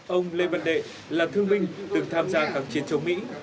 ông lê văn đệ là thương minh từng tham gia các chiến chống mỹ